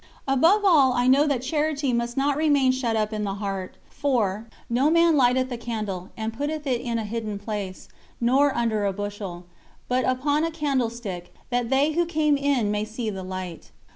Above all I know that charity must not remain shut up in the heart, for "No man lighteth a candle, and putteth it in a hidden place, nor under a bushel; but upon a candlestick, that they who come in may see the light."